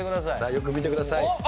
さあよく見てください。